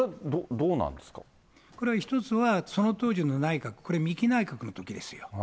これは一つは、その当時の内閣、これ三木内閣のときですよ。